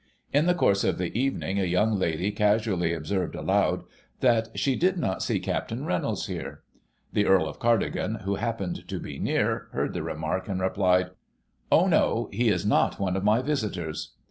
In the course of the evening, a young lady casually observed, aloud, that she " did not see Capt. Reynolds there." The Earl of Cardigan, who happened to be near, heard the remark, and replied, " Oh, no ; he js not one of my visitors."